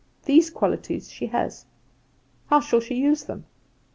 These qualities she has. How shall she use them?